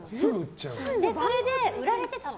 それで売られてたの。